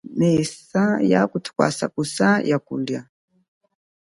Mesa ya kutukwasa kusa ya kulia.